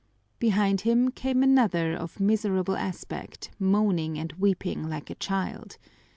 Behind him came another of miserable aspect, moaning and weeping like a child.